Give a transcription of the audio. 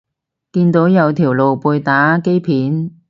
見到有條露背打機片